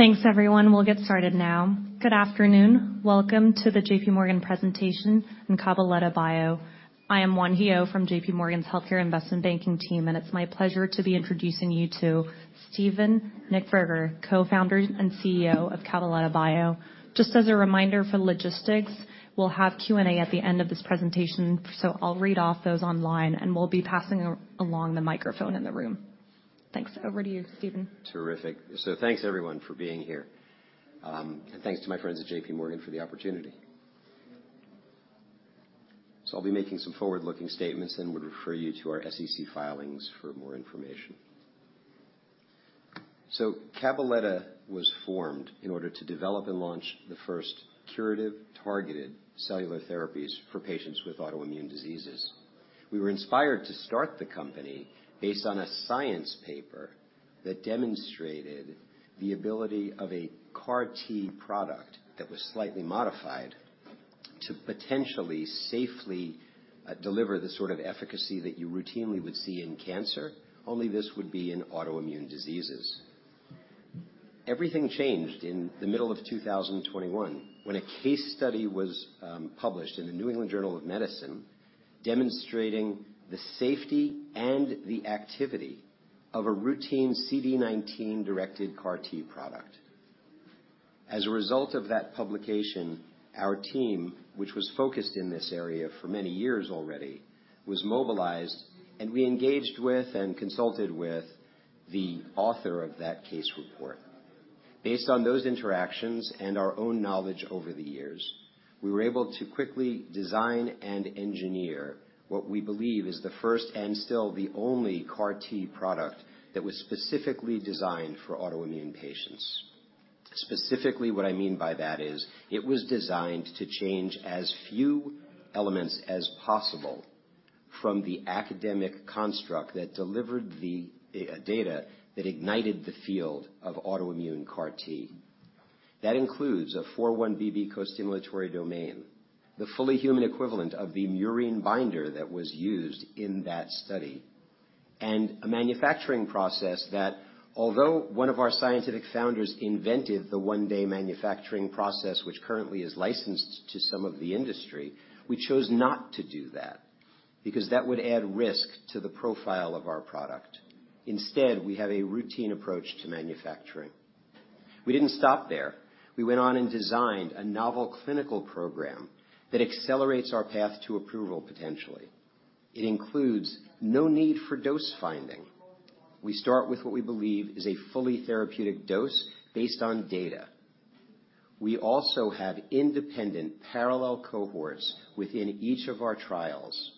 Thanks, everyone. We'll get started now. Good afternoon. Welcome to the JPMorgan presentation in Cabaletta Bio. I am Juan Heo from JPMorgan's Healthcare Investment Banking team, and it's my pleasure to be introducing you to Steven Nichtberger, Co-founder and CEO of Cabaletta Bio. Just as a reminder for logistics, we'll have Q&A at the end of this presentation, so I'll read off those online, and we'll be passing along the microphone in the room. Thanks. Over to you, Steven. Terrific. So thanks, everyone, for being here. And thanks to my friends at JPMorgan for the opportunity. So I'll be making some forward-looking statements and would refer you to our SEC filings for more information. So Cabaletta was formed in order to develop and launch the first curative, targeted cellular therapies for patients with autoimmune diseases. We were inspired to start the company based on a Science paper that demonstrated the ability of a CAR-T product that was slightly modified, to potentially safely deliver the sort of efficacy that you routinely would see in cancer, only this would be in autoimmune diseases. Everything changed in the middle of 2021, when a case study was published in the New England Journal of Medicine, demonstrating the safety and the activity of a routine CD19-directed CAR-T product. As a result of that publication, our team, which was focused in this area for many years already, was mobilized, and we engaged with and consulted with the author of that case report. Based on those interactions and our own knowledge over the years, we were able to quickly design and engineer what we believe is the first and still the only CAR-T product that was specifically designed for autoimmune patients. Specifically, what I mean by that is, it was designed to change as few elements as possible from the academic construct that delivered the data that ignited the field of autoimmune CAR T. That includes a 4-1BB costimulatory domain, the fully human equivalent of the murine binder that was used in that study, and a manufacturing process that although one of our scientific founders invented the one-day manufacturing process, which currently is licensed to some of the industry, we chose not to do that because that would add risk to the profile of our product. Instead, we have a routine approach to manufacturing. We didn't stop there. We went on and designed a novel clinical program that accelerates our path to approval, potentially. It includes no need for dose finding. We start with what we believe is a fully therapeutic dose based on data. We also have independent parallel cohorts within each of our trials,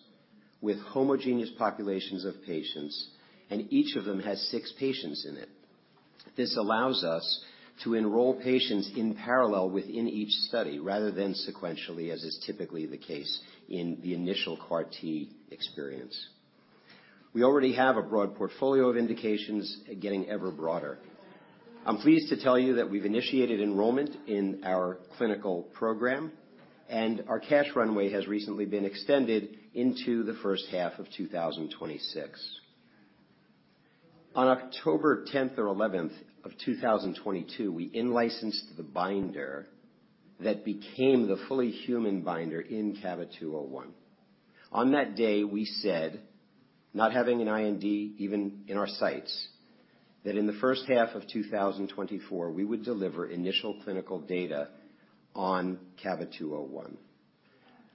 with homogeneous populations of patients, and each of them has six patients in it. This allows us to enroll patients in parallel within each study, rather than sequentially, as is typically the case in the initial CAR T experience. We already have a broad portfolio of indications, getting ever broader. I'm pleased to tell you that we've initiated enrollment in our clinical program, and our cash runway has recently been extended into the first half of 2026. On October 10th or 11th, 2022, we in-licensed the binder that became the fully human binder in CABA-201. On that day, we said, not having an IND even in our sights, that in the first half of 2024, we would deliver initial clinical data on CABA-201.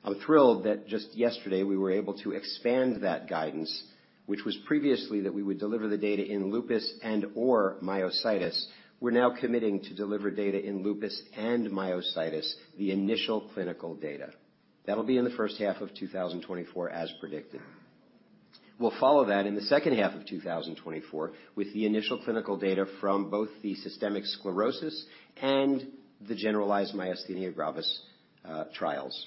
I'm thrilled that just yesterday, we were able to expand that guidance, which was previously that we would deliver the data in lupus and/or myositis. We're now committing to deliver data in lupus and myositis, the initial clinical data. That'll be in the first half of 2024, as predicted. We'll follow that in the second half of 2024 with the initial clinical data from both the systemic sclerosis and the generalized myasthenia gravis trials.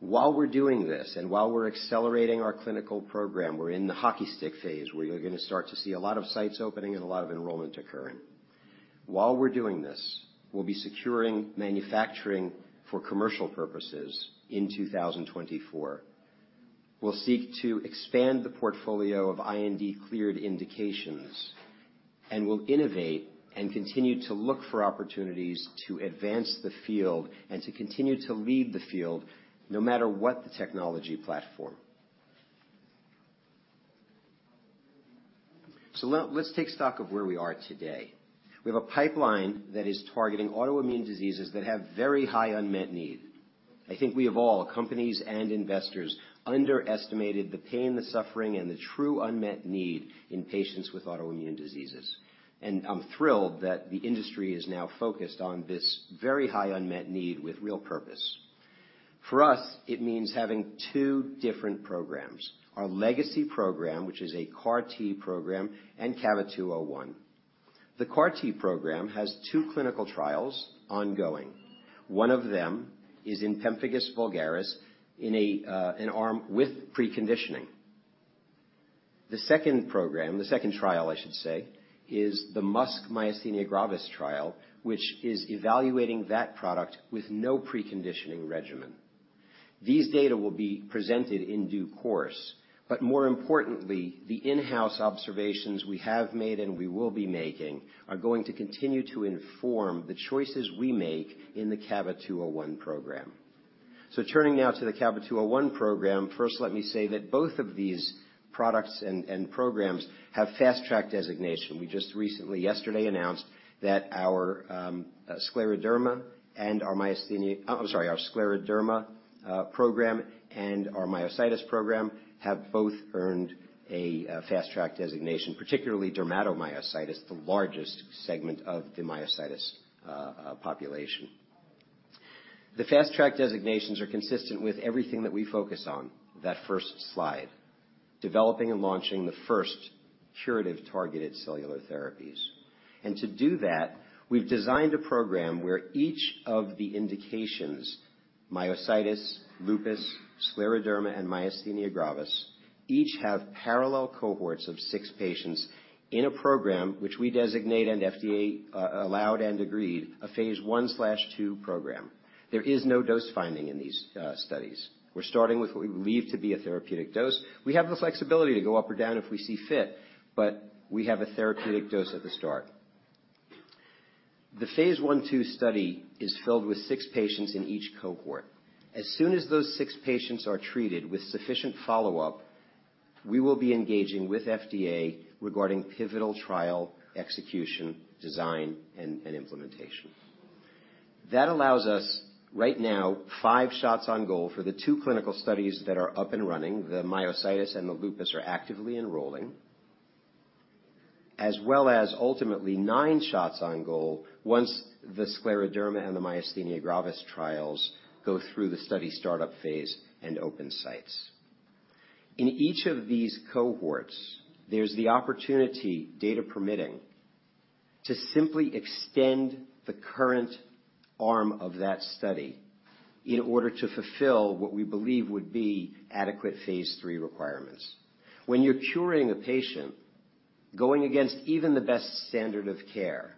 While we're doing this, and while we're accelerating our clinical program, we're in the hockey stick phase, where you're gonna start to see a lot of sites opening and a lot of enrollment occurring. While we're doing this, we'll be securing manufacturing for commercial purposes in 2024. We'll seek to expand the portfolio of IND-cleared indications, and we'll innovate and continue to look for opportunities to advance the field and to continue to lead the field, no matter what the technology platform. Let's take stock of where we are today. We have a pipeline that is targeting autoimmune diseases that have very high unmet need. I think we have all, companies and investors, underestimated the pain, the suffering, and the true unmet need in patients with autoimmune diseases. And I'm thrilled that the industry is now focused on this very high unmet need with real purpose. For us, it means having two different programs: our legacy program, which is a CAR T program, and CABA-201. The CAR T program has two clinical trials ongoing. One of them is in pemphigus vulgaris, in an arm with preconditioning. The second program, the second trial, I should say, is the MuSK myasthenia gravis trial, which is evaluating that product with no preconditioning regimen. These data will be presented in due course. But more importantly, the in-house observations we have made and we will be making are going to continue to inform the choices we make in the CABA-201 program. So turning now to the CABA-201 program, first, let me say that both of these products and programs have Fast Track Designation. We just recently, yesterday, announced that our scleroderma program and our myositis program have both earned a Fast Track Designation, particularly dermatomyositis, the largest segment of the myositis population. The Fast Track Designations are consistent with everything that we focus on, that first slide: developing and launching the first curative targeted cellular therapies. To do that, we've designed a program where each of the indications, myositis, lupus, scleroderma, and myasthenia gravis, each have parallel cohorts of six patients in a program which we designate and FDA allowed and agreed a phase I/II program. There is no dose finding in these studies. We're starting with what we believe to be a therapeutic dose. We have the flexibility to go up or down if we see fit, but we have a therapeutic dose at the start. The phase I/II study is filled with six patients in each cohort. As soon as those six patients are treated with sufficient follow-up, we will be engaging with FDA regarding pivotal trial execution, design, and, and implementation. That allows us, right now, five shots on goal for the two clinical studies that are up and running. The myositis and the lupus are actively enrolling, as well as ultimately nine shots on goal once the scleroderma and the myasthenia gravis trials go through the study startup phase and open sites. In each of these cohorts, there's the opportunity, data permitting, to simply extend the current arm of that study in order to fulfill what we believe would be adequate phase III requirements. When you're curing a patient, going against even the best standard of care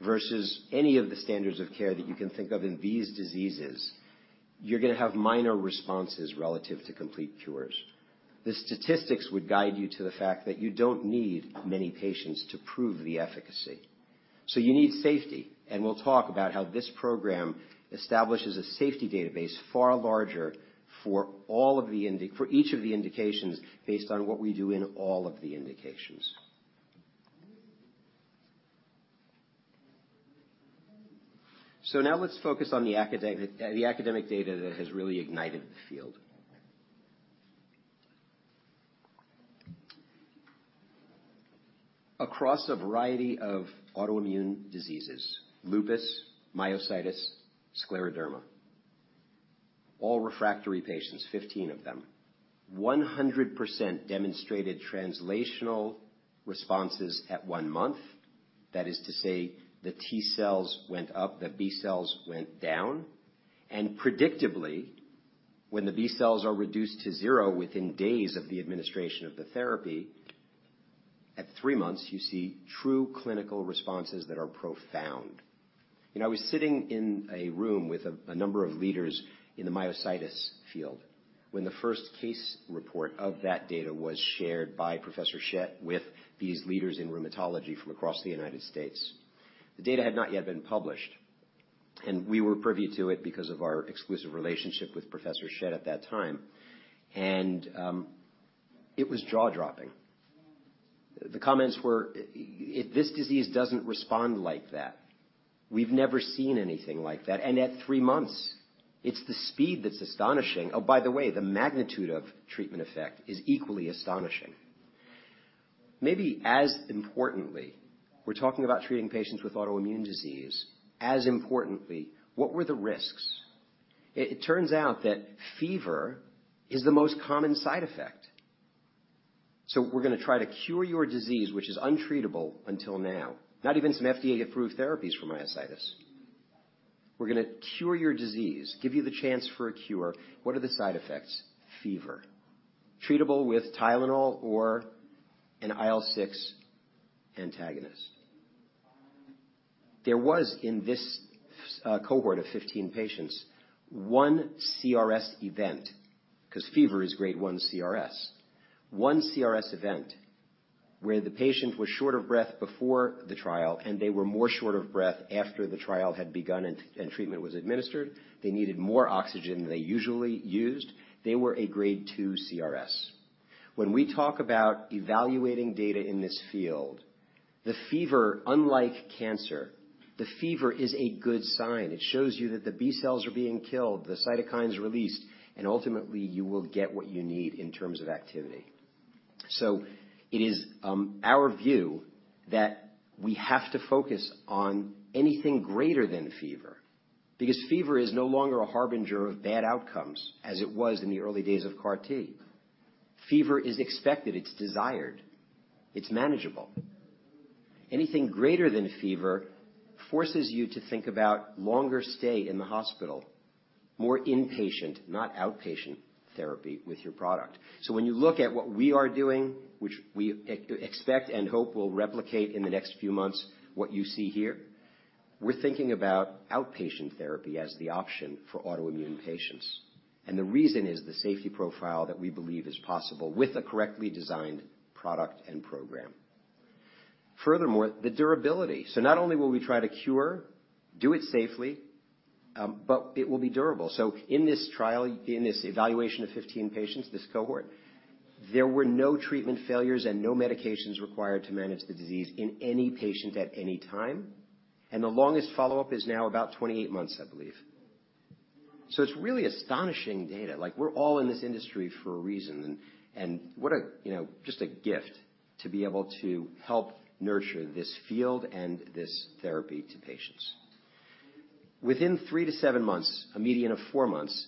versus any of the standards of care that you can think of in these diseases, you're gonna have minor responses relative to complete cures. The statistics would guide you to the fact that you don't need many patients to prove the efficacy. You need safety, and we'll talk about how this program establishes a safety database far larger for each of the indications based on what we do in all of the indications. Now let's focus on the academic data that has really ignited the field. Across a variety of autoimmune diseases, lupus, myositis, scleroderma, all refractory patients, 15 of them, 100% demonstrated translational responses at one month. That is to say, the T cells went up, the B cells went down, and predictably, when the B cells are reduced to zero within days of the administration of the therapy, at three months, you see true clinical responses that are profound. You know, I was sitting in a room with a number of leaders in the myositis field when the first case report of that data was shared by Professor Schett with these leaders in rheumatology from across the United States. The data had not yet been published, and we were privy to it because of our exclusive relationship with Professor Schett at that time, and it was jaw-dropping. The comments were, "this disease doesn't respond like that. We've never seen anything like that," and at three months, it's the speed that's astonishing. Oh, by the way, the magnitude of treatment effect is equally astonishing. Maybe as importantly, we're talking about treating patients with autoimmune disease, as importantly, what were the risks? It turns out that fever is the most common side effect. So we're gonna try to cure your disease, which is untreatable until now, not even some FDA-approved therapies for myositis. We're gonna cure your disease, give you the chance for a cure. What are the side effects? Fever. Treatable with Tylenol or an IL-6 antagonist. There was, in this, cohort of 15 patients, one CRS event, 'cause fever is Grade 1 CRS. One CRS event where the patient was short of breath before the trial, and they were more short of breath after the trial had begun and, and treatment was administered. They needed more oxygen than they usually used. They were a Grade 2 CRS. When we talk about evaluating data in this field, the fever, unlike cancer, the fever is a good sign. It shows you that the B cells are being killed, the cytokine's released, and ultimately, you will get what you need in terms of activity. So it is our view that we have to focus on anything greater than fever, because fever is no longer a harbinger of bad outcomes as it was in the early days of CAR-T. Fever is expected, it's desired, it's manageable. Anything greater than fever forces you to think about longer stay in the hospital, more inpatient, not outpatient, therapy with your product. So when you look at what we are doing, which we expect and hope will replicate in the next few months, what you see here?... We're thinking about outpatient therapy as the option for autoimmune patients, and the reason is the safety profile that we believe is possible with a correctly designed product and program. Furthermore, the durability. So not only will we try to cure, do it safely, but it will be durable. So in this trial, in this evaluation of 15 patients, this cohort, there were no treatment failures and no medications required to manage the disease in any patient at any time, and the longest follow-up is now about 28 months, I believe. So it's really astonishing data. Like, we're all in this industry for a reason, and, what a, you know, just a gift to be able to help nurture this field and this therapy to patients. Within three to seven months, a median of four months,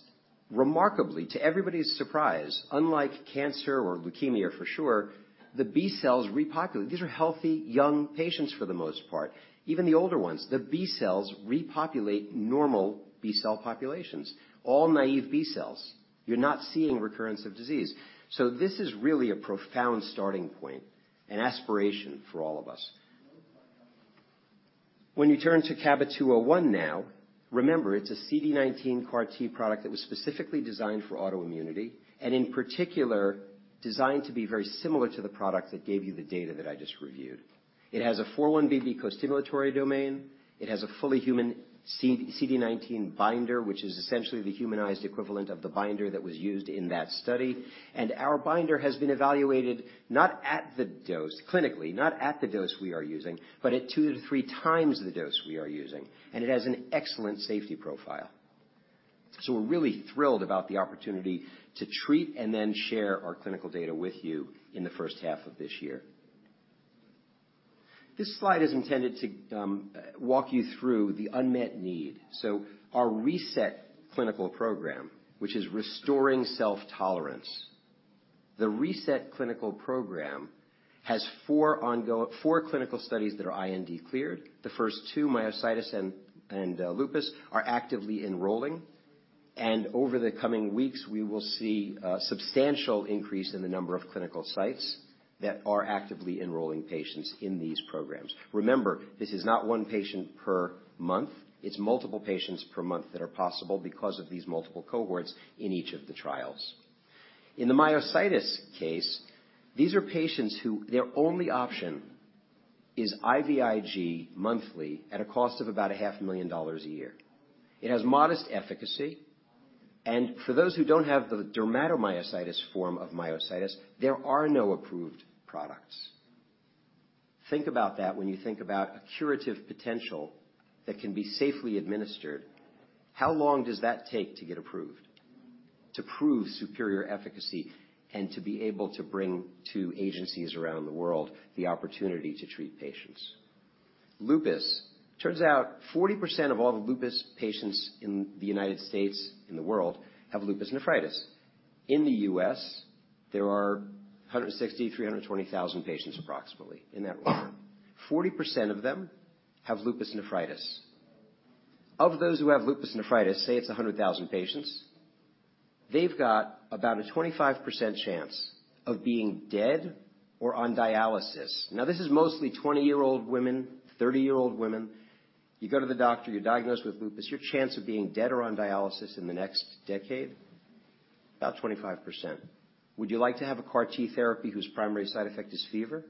remarkably, to everybody's surprise, unlike cancer or leukemia, for sure, the B cells repopulate. These are healthy, young patients, for the most part, even the older ones. The B cells repopulate normal B cell populations, all naive B cells. You're not seeing recurrence of disease. So this is really a profound starting point and aspiration for all of us. When you turn to CABA-201 now, remember, it's a CD19 CAR-T product that was specifically designed for autoimmunity, and in particular, designed to be very similar to the product that gave you the data that I just reviewed. It has a 4-1BB costimulatory domain. It has a fully human CD19 binder, which is essentially the humanized equivalent of the binder that was used in that study. Our binder has been evaluated not at the dose, clinically, not at the dose we are using, but at two to three times the dose we are using, and it has an excellent safety profile. So we're really thrilled about the opportunity to treat and then share our clinical data with you in the first half of this year. This slide is intended to walk you through the unmet need. So our RESET clinical program, which is REstoring SElf-Tolerance. The RESET clinical program has four ongoing four clinical studies that are IND-cleared. The first two, myositis and lupus, are actively enrolling, and over the coming weeks, we will see a substantial increase in the number of clinical sites that are actively enrolling patients in these programs. Remember, this is not one patient per month; it's multiple patients per month that are possible because of these multiple cohorts in each of the trials. In the myositis case, these are patients who their only option is IVIG monthly at a cost of about $500,000 a year. It has modest efficacy, and for those who don't have the dermatomyositis form of myositis, there are no approved products. Think about that when you think about a curative potential that can be safely administered. How long does that take to get approved, to prove superior efficacy, and to be able to bring to agencies around the world the opportunity to treat patients? Lupus. Turns out 40% of all the lupus patients in the United States, in the world, have lupus nephritis. In the U.S., there are 160,000-320,000 patients, approximately, in that order. 40% of them have lupus nephritis. Of those who have lupus nephritis, say, it's 100,000 patients, they've got about a 25% chance of being dead or on dialysis. Now, this is mostly 20-year-old women, 30-year-old women. You go to the doctor, you're diagnosed with lupus, your chance of being dead or on dialysis in the next decade, about 25%. Would you like to have a CAR-T therapy whose primary side effect is fever?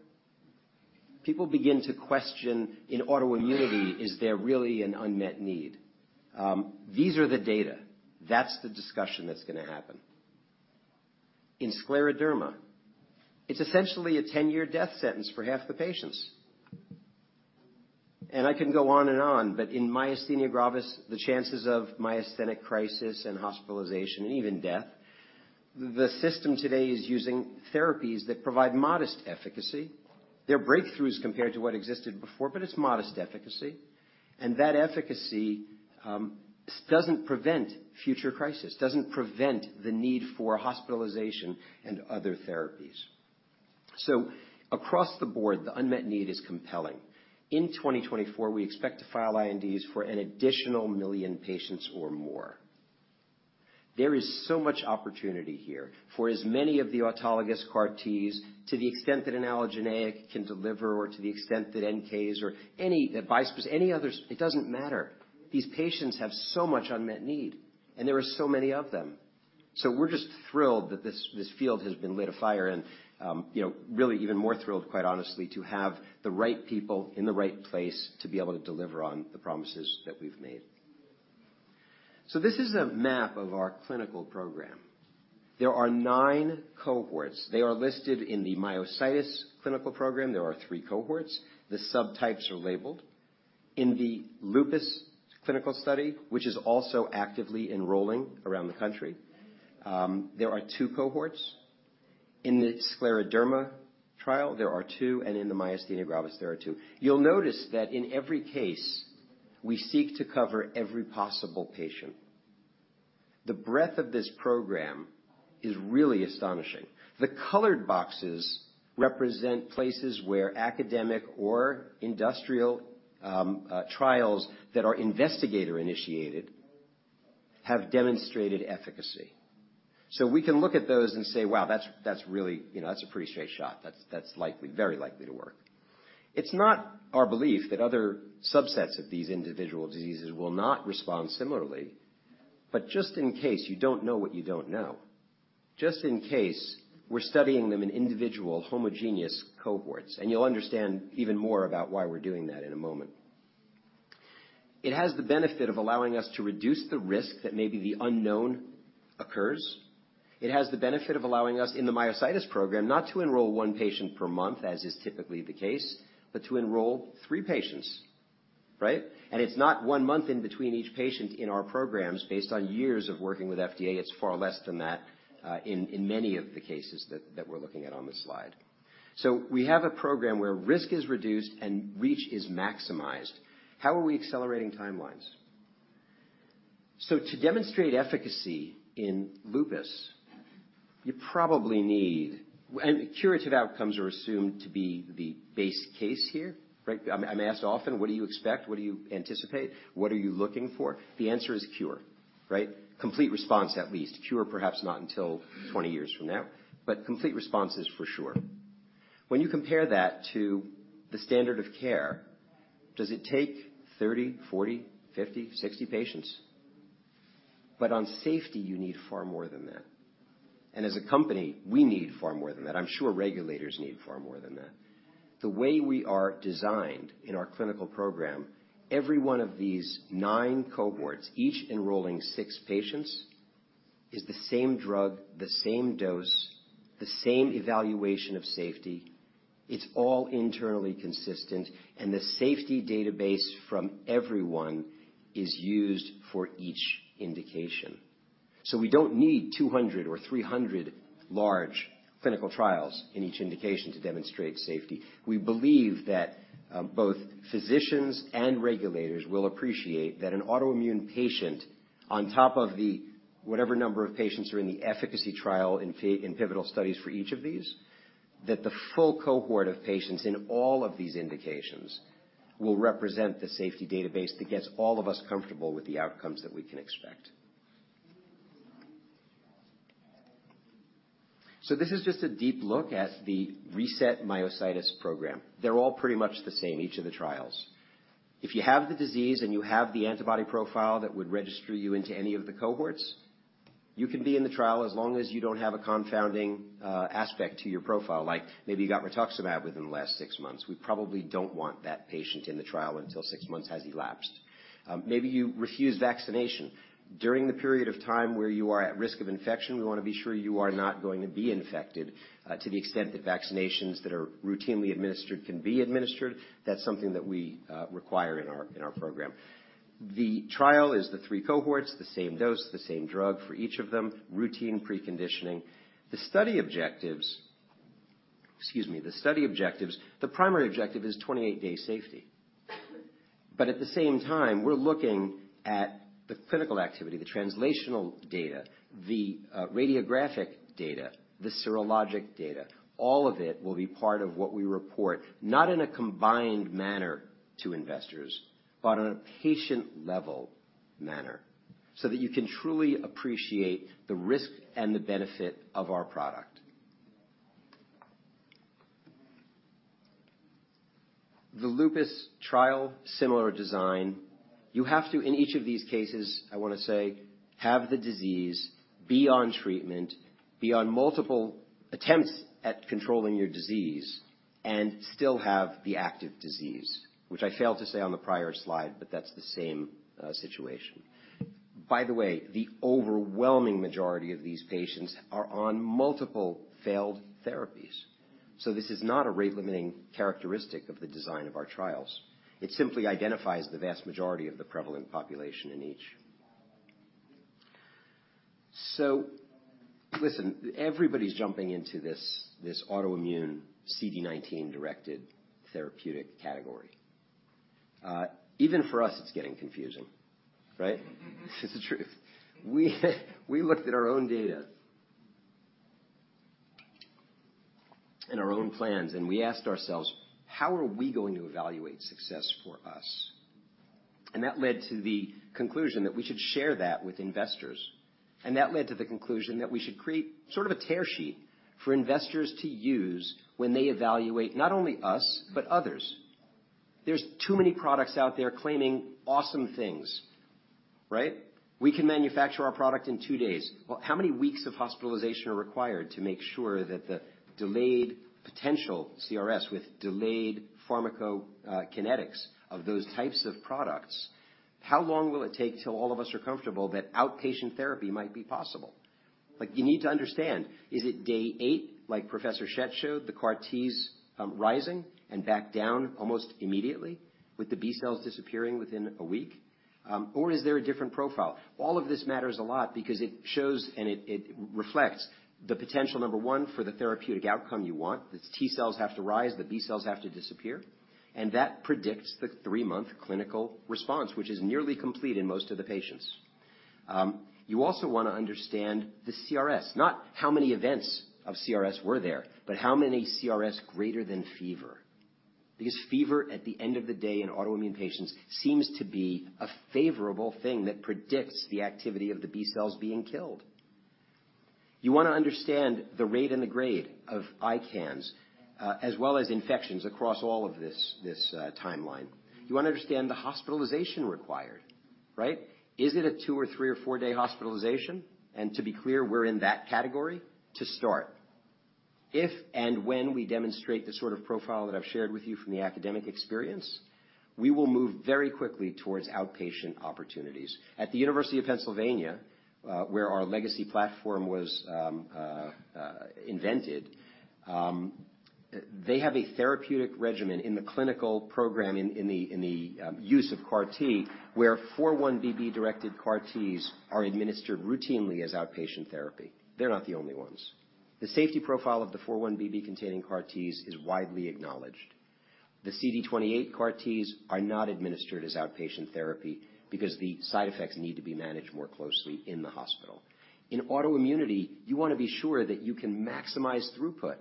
People begin to question, in autoimmunity, is there really an unmet need? These are the data. That's the discussion that's gonna happen. In scleroderma, it's essentially a 10-year death sentence for half the patients. And I can go on and on, but in myasthenia gravis, the chances of myasthenic crisis and hospitalization and even death, the system today is using therapies that provide modest efficacy. They're breakthroughs compared to what existed before, but it's modest efficacy, and that efficacy doesn't prevent future crisis, doesn't prevent the need for hospitalization and other therapies. So across the board, the unmet need is compelling. In 2024, we expect to file INDs for an additional million patients or more. There is so much opportunity here for as many of the autologous CAR Ts, to the extent that an allogeneic can deliver or to the extent that NKs or any others, it doesn't matter. These patients have so much unmet need, and there are so many of them. So we're just thrilled that this, this field has been lit afire and, you know, really even more thrilled, quite honestly, to have the right people in the right place to be able to deliver on the promises that we've made. So this is a map of our clinical program. There are nine cohorts. They are listed in the myositis clinical program. There are three cohorts. The subtypes are labeled. In the lupus clinical study, which is also actively enrolling around the country, there are two cohorts. In the scleroderma trial, there are two, and in the myasthenia gravis, there are two. You'll notice that in every case, we seek to cover every possible patient. The breadth of this program is really astonishing. The colored boxes represent places where academic or industrial trials that are investigator-initiated have demonstrated efficacy. So we can look at those and say: Wow, that's, that's really, you know, that's a pretty straight shot. That's, that's likely, very likely to work. It's not our belief that other subsets of these individual diseases will not respond similarly. But just in case you don't know what you don't know, just in case, we're studying them in individual homogeneous cohorts, and you'll understand even more about why we're doing that in a moment. It has the benefit of allowing us to reduce the risk that maybe the unknown occurs. It has the benefit of allowing us, in the myositis program, not to enroll one patient per month, as is typically the case, but to enroll three patients, right? And it's not one month in between each patient in our programs based on years of working with FDA, it's far less than that in many of the cases that we're looking at on this slide. So we have a program where risk is reduced and reach is maximized. How are we accelerating timelines? So to demonstrate efficacy in lupus, you probably need, and curative outcomes are assumed to be the base case here, right? I'm asked often: What do you expect? What do you anticipate? What are you looking for? The answer is cure, right? Complete response, at least. Cure, perhaps not until 20 years from now, but complete response is for sure. When you compare that to the standard of care, does it take 30, 40, 50, 60 patients? But on safety, you need far more than that. And as a company, we need far more than that. I'm sure regulators need far more than that. The way we are designed in our clinical program, every one of these nine cohorts, each enrolling six patients, is the same drug, the same dose, the same evaluation of safety. It's all internally consistent, and the safety database from everyone is used for each indication. So we don't need 200 or 300 large clinical trials in each indication to demonstrate safety. We believe that both physicians and regulators will appreciate that an autoimmune patient on top of the... whatever number of patients are in the efficacy trial in pivotal studies for each of these, that the full cohort of patients in all of these indications will represent the safety database that gets all of us comfortable with the outcomes that we can expect. So this is just a deep look at the RESET myositis program. They're all pretty much the same, each of the trials. If you have the disease and you have the antibody profile that would register you into any of the cohorts, you can be in the trial as long as you don't have a confounding aspect to your profile, like maybe you got rituximab within the last six months. We probably don't want that patient in the trial until six months has elapsed. Maybe you refuse vaccination. During the period of time where you are at risk of infection, we wanna be sure you are not going to be infected. To the extent that vaccinations that are routinely administered can be administered, that's something that we require in our program. The trial is the three cohorts, the same dose, the same drug for each of them, routine preconditioning. The study objectives... Excuse me. The study objectives, the primary objective is 28-day safety. But at the same time, we're looking at the clinical activity, the translational data, the radiographic data, the serologic data. All of it will be part of what we report, not in a combined manner to investors, but on a patient-level manner, so that you can truly appreciate the risk and the benefit of our product. The lupus trial, similar design. You have to, in each of these cases, I wanna say, have the disease, be on treatment, be on multiple attempts at controlling your disease, and still have the active disease, which I failed to say on the prior slide, but that's the same situation. By the way, the overwhelming majority of these patients are on multiple failed therapies. So this is not a rate-limiting characteristic of the design of our trials. It simply identifies the vast majority of the prevalent population in each. So listen, everybody's jumping into this autoimmune CD19-directed therapeutic category. Even for us, it's getting confusing, right? It's the truth. We looked at our own data and our own plans, and we asked ourselves: How are we going to evaluate success for us? And that led to the conclusion that we should share that with investors. That led to the conclusion that we should create sort of a tear sheet for investors to use when they evaluate not only us, but others. There's too many products out there claiming awesome things, right? We can manufacture our product in two days. Well, how many weeks of hospitalization are required to make sure that the delayed potential CRS, with delayed pharmacokinetics of those types of products, how long will it take till all of us are comfortable that outpatient therapy might be possible? But you need to understand, is it day eight, like Professor Schett showed, the CAR Ts rising and back down almost immediately, with the B cells disappearing within a week? Or is there a different profile? All of this matters a lot because it shows and it, it reflects the potential, number one, for the therapeutic outcome you want. The T cells have to rise, the B cells have to disappear, and that predicts the three-month clinical response, which is nearly complete in most of the patients. You also wanna understand the CRS, not how many events of CRS were there, but how many CRS greater than fever?… because fever, at the end of the day in autoimmune patients, seems to be a favorable thing that predicts the activity of the B cells being killed. You wanna understand the rate and the grade of ICANS, as well as infections across all of this timeline. You wanna understand the hospitalization required, right? Is it a two or three or four-day hospitalization? And to be clear, we're in that category to start. If and when we demonstrate the sort of profile that I've shared with you from the academic experience, we will move very quickly towards outpatient opportunities. At the University of Pennsylvania, where our legacy platform was invented, they have a therapeutic regimen in the clinical program in the use of CAR T, where 4-1BB-directed CAR Ts are administered routinely as outpatient therapy. They're not the only ones. The safety profile of the 4-1BB containing CAR Ts is widely acknowledged. The CD28 CAR Ts are not administered as outpatient therapy because the side effects need to be managed more closely in the hospital. In autoimmunity, you wanna be sure that you can maximize throughput.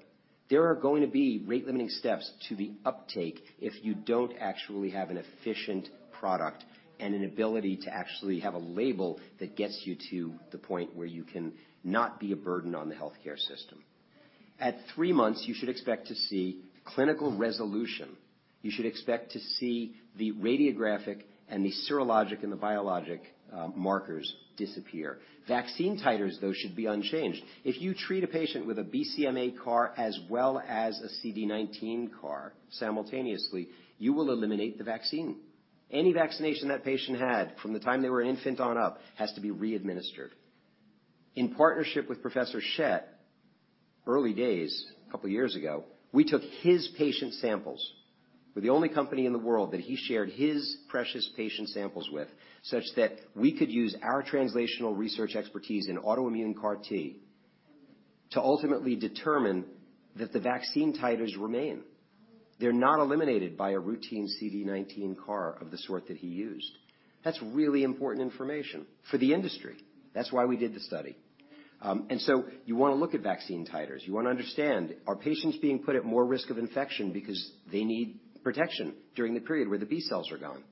There are going to be rate-limiting steps to the uptake if you don't actually have an efficient product and an ability to actually have a label that gets you to the point where you can not be a burden on the healthcare system. At three months, you should expect to see clinical resolution. You should expect to see the radiographic and the serologic and the biologic markers disappear. Vaccine titers, though, should be unchanged. If you treat a patient with a BCMA CAR as well as a CD19 CAR simultaneously, you will eliminate the vaccine. Any vaccination that patient had from the time they were an infant on up has to be readministered. In partnership with Professor Schett, early days, a couple of years ago, we took his patient samples. We're the only company in the world that he shared his precious patient samples with, such that we could use our translational research expertise in autoimmune CAR T to ultimately determine that the vaccine titers remain. They're not eliminated by a routine CD19 CAR of the sort that he used. That's really important information for the industry. That's why we did the study. So you wanna look at vaccine titers. You wanna understand, are patients being put at more risk of infection because they need protection during the period where the B cells are gone?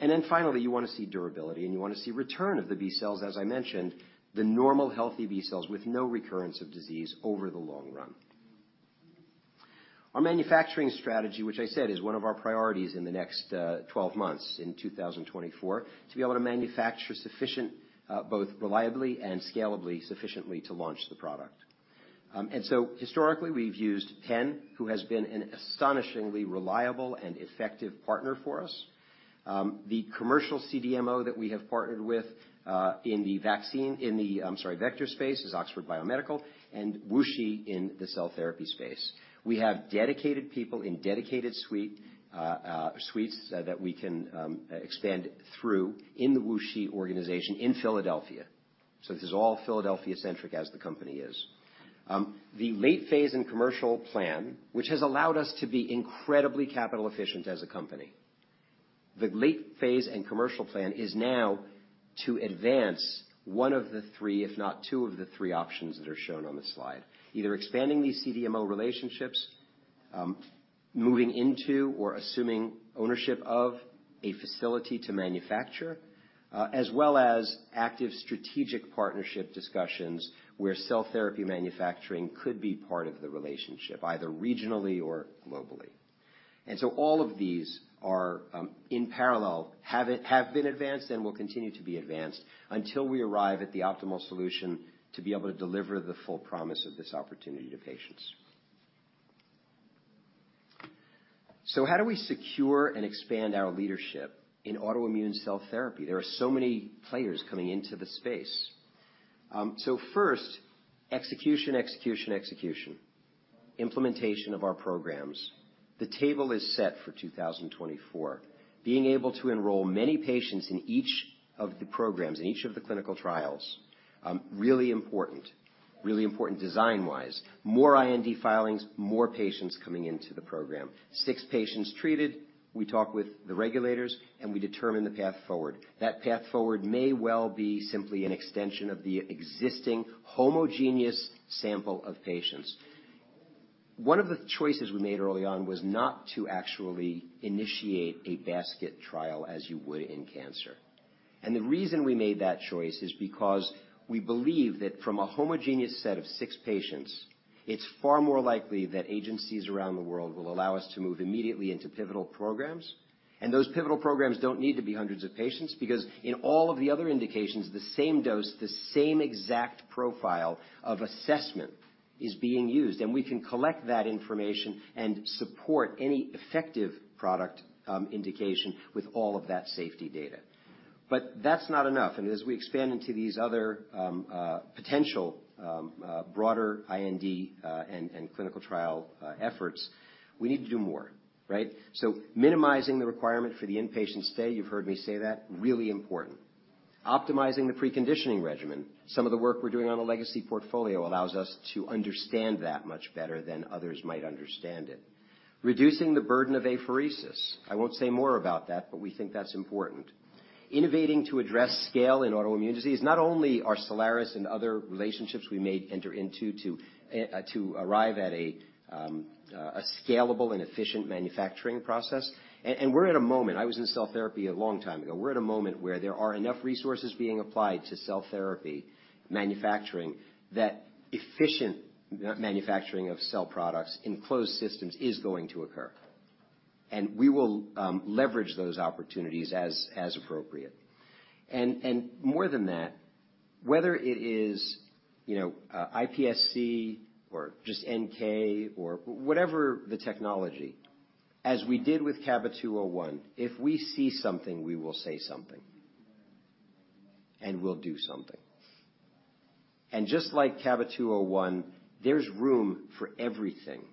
Then finally, you wanna see durability, and you wanna see return of the B cells, as I mentioned, the normal, healthy B cells with no recurrence of disease over the long run. Our manufacturing strategy, which I said, is one of our priorities in the next 12 months, in 2024, to be able to manufacture sufficient, both reliably and scalably, sufficiently to launch the product. And so historically, we've used Penn, who has been an astonishingly reliable and effective partner for us. The commercial CDMO that we have partnered with, in the vaccine, in the, I'm sorry, vector space, is Oxford Biomedica, and WuXi in the cell therapy space. We have dedicated people in dedicated suites that we can expand through in the WuXi organization in Philadelphia. So this is all Philadelphia-centric as the company is. The late phase and commercial plan, which has allowed us to be incredibly capital efficient as a company. The late phase and commercial plan is now to advance one of the three, if not two of the three options that are shown on this slide. Either expanding these CDMO relationships, moving into or assuming ownership of a facility to manufacture, as well as active strategic partnership discussions, where cell therapy manufacturing could be part of the relationship, either regionally or globally. And so all of these are, in parallel, have been advanced and will continue to be advanced until we arrive at the optimal solution to be able to deliver the full promise of this opportunity to patients. So how do we secure and expand our leadership in autoimmune cell therapy? There are so many players coming into the space. So first, execution, execution, execution, implementation of our programs. The table is set for 2024. Being able to enroll many patients in each of the programs, in each of the clinical trials, really important, really important design-wise. More IND filings, more patients coming into the program. Six patients treated, we talk with the regulators, and we determine the path forward. That path forward may well be simply an extension of the existing homogeneous sample of patients. One of the choices we made early on was not to actually initiate a basket trial as you would in cancer. And the reason we made that choice is because we believe that from a homogeneous set of six patients, it's far more likely that agencies around the world will allow us to move immediately into pivotal programs. Those pivotal programs don't need to be hundreds of patients, because in all of the other indications, the same dose, the same exact profile of assessment is being used, and we can collect that information and support any effective product, indication with all of that safety data. That's not enough. As we expand into these other potential, broader IND and clinical trial efforts, we need to do more, right? Minimizing the requirement for the inpatient stay, you've heard me say that, really important. Optimizing the preconditioning regimen. Some of the work we're doing on the legacy portfolio allows us to understand that much better than others might understand it. Reducing the burden of apheresis. I won't say more about that, but we think that's important. Innovating to address scale in autoimmune disease, not only are Cellares and other relationships we may enter into to arrive at a scalable and efficient manufacturing process. And we're in a moment—I was in cell therapy a long time ago, we're at a moment where there are enough resources being applied to cell therapy manufacturing, that efficient manufacturing of cell products in closed systems is going to occur. And we will leverage those opportunities as appropriate. And more than that, whether it is, you know, iPSC or just NK or whatever the technology, as we did with CABA-201, if we see something, we will say something, and we'll do something. Just like CABA-201, there's room for everything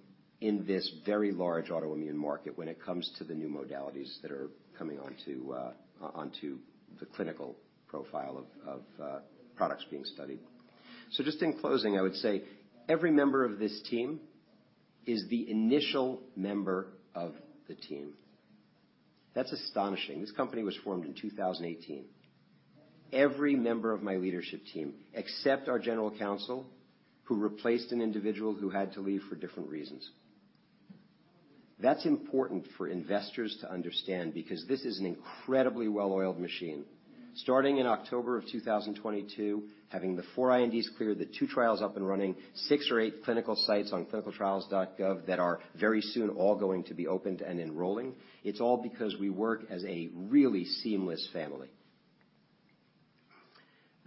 in this very large autoimmune market when it comes to the new modalities that are coming onto the clinical profile of products being studied. So just in closing, I would say, every member of this team is the initial member of the team. That's astonishing. This company was formed in 2018. Every member of my leadership team, except our general counsel, who replaced an individual who had to leave for different reasons. That's important for investors to understand because this is an incredibly well-oiled machine. Starting in October 2022, having the four INDs cleared, the two trials up and running, six or eight clinical sites on clinicaltrials.gov that are very soon all going to be opened and enrolling. It's all because we work as a really seamless family.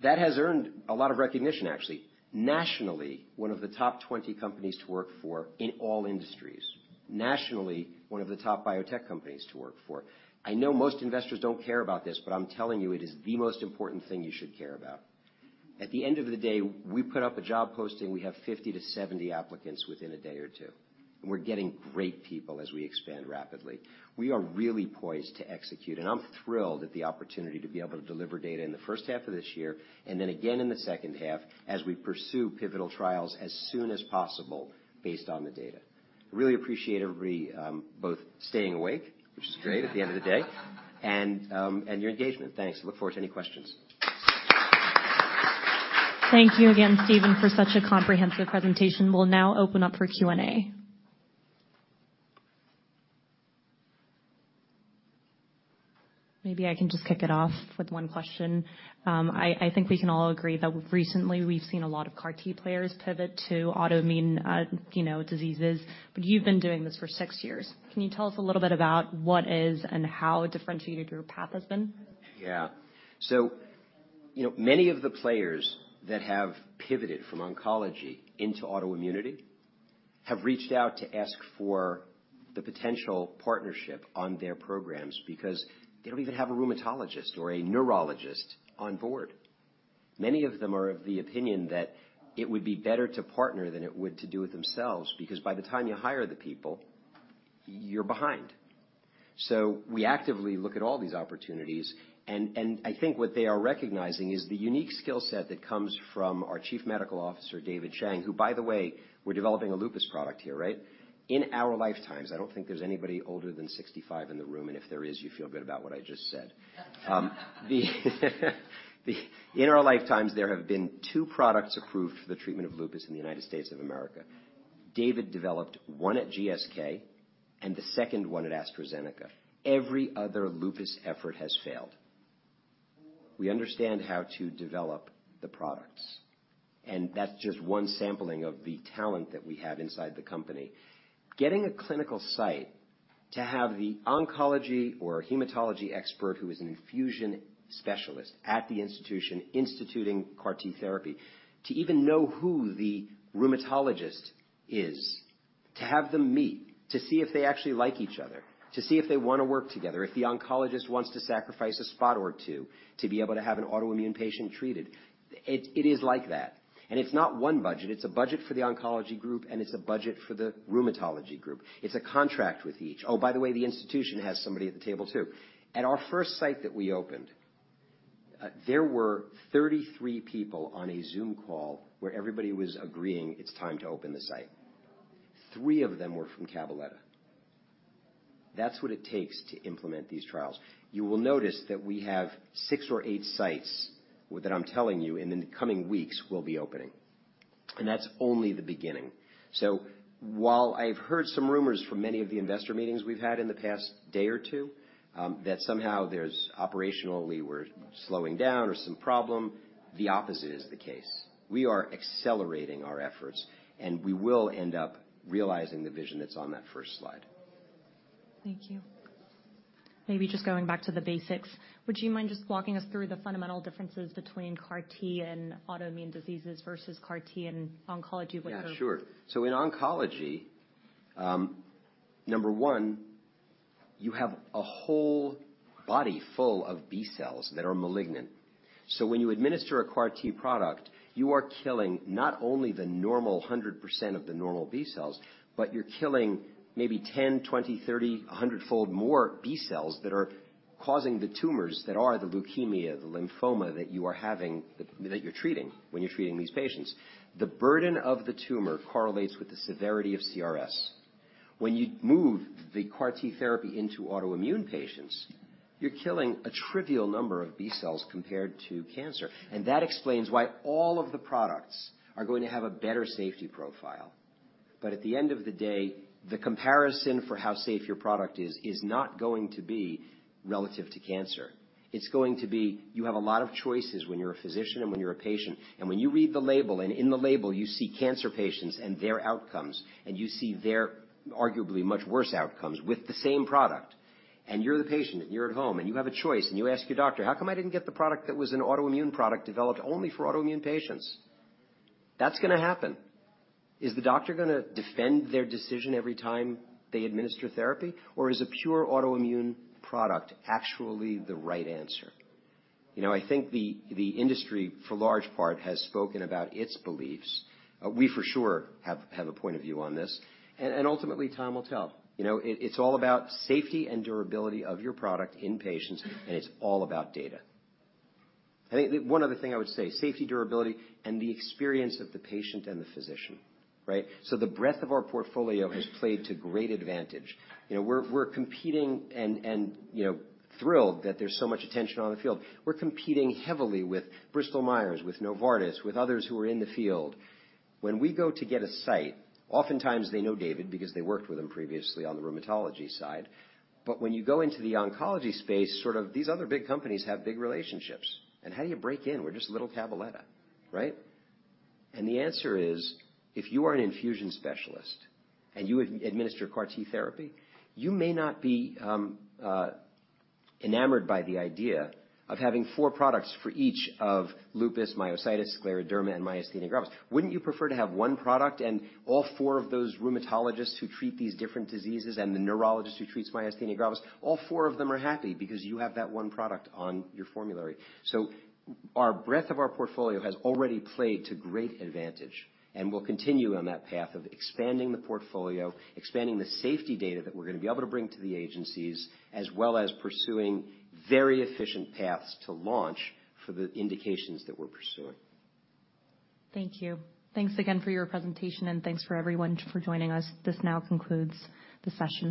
That has earned a lot of recognition, actually. Nationally, one of the top 20 companies to work for in all industries. Nationally, one of the top biotech companies to work for. I know most investors don't care about this, but I'm telling you, it is the most important thing you should care about. At the end of the day, we put up a job posting, we have 50-70 applicants within a day or two, and we're getting great people as we expand rapidly. We are really poised to execute, and I'm thrilled at the opportunity to be able to deliver data in the first half of this year, and then again in the second half, as we pursue pivotal trials as soon as possible based on the data. I really appreciate everybody, both staying awake, which is great at the end of the day, and, and your engagement. Thanks. I look forward to any questions. Thank you again, Steven, for such a comprehensive presentation. We'll now open up for Q&A. Maybe I can just kick it off with one question. I think we can all agree that recently we've seen a lot of CAR T players pivot to autoimmune, you know, diseases, but you've been doing this for six years. Can you tell us a little bit about what is and how differentiated your path has been? Yeah. So you know, many of the players that have pivoted from oncology into autoimmunity have reached out to ask for the potential partnership on their programs because they don't even have a rheumatologist or a neurologist on board. Many of them are of the opinion that it would be better to partner than it would to do it themselves, because by the time you hire the people, you're behind. So we actively look at all these opportunities, and, and I think what they are recognizing is the unique skill set that comes from our Chief Medical Officer, David Chang, who, by the way, we're developing a lupus product here, right? In our lifetimes... I don't think there's anybody older than 65 in the room, and if there is, you feel good about what I just said. In our lifetimes, there have been two products approved for the treatment of lupus in the United States of America. David developed one at GSK and the second one at AstraZeneca. Every other lupus effort has failed. We understand how to develop the products, and that's just one sampling of the talent that we have inside the company. Getting a clinical site to have the oncology or hematology expert, who is an infusion specialist at the institution, instituting CAR-T therapy, to even know who the rheumatologist is, to have them meet, to see if they actually like each other, to see if they want to work together, if the oncologist wants to sacrifice a spot or two to be able to have an autoimmune patient treated. It is like that. It's not one budget. It's a budget for the oncology group, and it's a budget for the rheumatology group. It's a contract with each. Oh, by the way, the institution has somebody at the table, too. At our first site that we opened, there were 33 people on a Zoom call where everybody was agreeing it's time to open the site. Three of them were from Cabaletta. That's what it takes to implement these trials. You will notice that we have six or eight sites, that I'm telling you, in the coming weeks, will be opening, and that's only the beginning. So while I've heard some rumors from many of the investor meetings we've had in the past day or two, that somehow there's operationally we're slowing down or some problem, the opposite is the case. We are accelerating our efforts, and we will end up realizing the vision that's on that first slide. Thank you. Maybe just going back to the basics, would you mind just walking us through the fundamental differences between CAR T and autoimmune diseases versus CAR T and oncology? What you're- Yeah, sure. So in oncology, number one, you have a whole body full of B cells that are malignant. So when you administer a CAR-T product, you are killing not only the normal 100% of the normal B cells, but you're killing maybe 10, 20, 30, a hundredfold more B cells that are causing the tumors that are the leukemia, the lymphoma that you're treating when you're treating these patients. The burden of the tumor correlates with the severity of CRS. When you move the CAR-T therapy into autoimmune patients, you're killing a trivial number of B cells compared to cancer, and that explains why all of the products are going to have a better safety profile. But at the end of the day, the comparison for how safe your product is, is not going to be relative to cancer. It's going to be, you have a lot of choices when you're a physician and when you're a patient, and when you read the label, and in the label, you see cancer patients and their outcomes, and you see their arguably much worse outcomes with the same product. And you're the patient, and you're at home, and you have a choice, and you ask your doctor: "How come I didn't get the product that was an autoimmune product developed only for autoimmune patients?" That's gonna happen. Is the doctor gonna defend their decision every time they administer therapy? Or is a pure autoimmune product actually the right answer? You know, I think the, the industry, for large part, has spoken about its beliefs. We, for sure, have, have a point of view on this, and, and ultimately, time will tell. You know, it's all about safety and durability of your product in patients, and it's all about data. I think one other thing I would say, safety, durability, and the experience of the patient and the physician, right? So the breadth of our portfolio has played to great advantage. You know, we're competing and, you know, thrilled that there's so much attention on the field. We're competing heavily with Bristol Myers, with Novartis, with others who are in the field. When we go to get a site, oftentimes, they know David because they worked with him previously on the rheumatology side. But when you go into the oncology space, sort of these other big companies have big relationships, and how do you break in? We're just little Cabaletta, right? The answer is, if you are an infusion specialist and you administer CAR-T therapy, you may not be enamored by the idea of having four products for each of lupus, myositis, scleroderma, and myasthenia gravis. Wouldn't you prefer to have one product and all four of those rheumatologists who treat these different diseases and the neurologist who treats myasthenia gravis, all four of them are happy because you have that one product on your formulary. So our breadth of our portfolio has already played to great advantage, and we'll continue on that path of expanding the portfolio, expanding the safety data that we're gonna be able to bring to the agencies, as well as pursuing very efficient paths to launch for the indications that we're pursuing. Thank you. Thanks again for your presentation, and thanks for everyone for joining us. This now concludes the session.